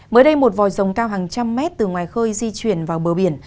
mới đây một vòi rồng cao hàng trăm mét từ ngoài khơi di chuyển vào bờ biển